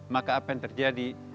maka apa yang terjadi